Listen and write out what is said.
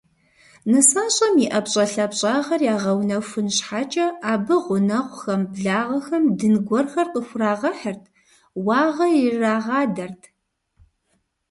НысащӀэм и ӀэпщӀэлъапщӀагъэр ягъэунэхун щхьэкӀэ абы гъунэгъухэм, благъэхэм дын гуэрхэр къыхурагъэхьырт, уагъэ ирырагъадэрт.